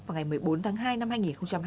vào ngày một mươi bốn hai hai nghìn hai mươi bốn